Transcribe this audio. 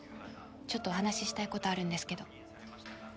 ちょっとお話したいことあるんですけど。